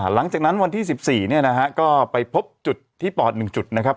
หลังจากนั้นวันที่๑๔เนี่ยนะฮะก็ไปพบจุดที่ปอด๑จุดนะครับ